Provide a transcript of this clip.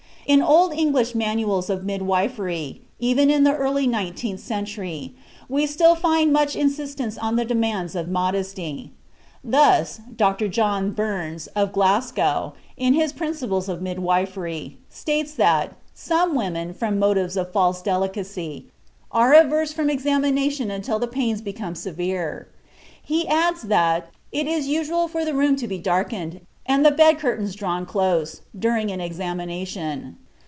In old English manuals of midwifery, even in the early nineteenth century, we still find much insistence on the demands of modesty. Thus, Dr. John Burns, of Glasgow, in his Principles of Midwifery, states that "some women, from motives of false delicacy, are averse from examination until the pains become severe." He adds that "it is usual for the room to be darkened, and the bed curtains drawn close, during an examination."